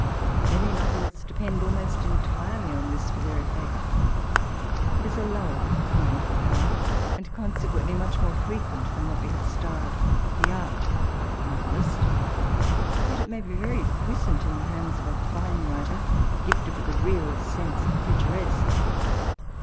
Many novels depend almost entirely on this for their efibct It is a lower kind of power, and oonseqnently mnch more frequent" than what we have styled the art of the novelist ; vet it may be very paissant in the bands of a fine writer, gifted with a real sense of the pictaresqne.